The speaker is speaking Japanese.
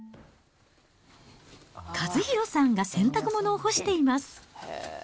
和博さんが洗濯物を干しています。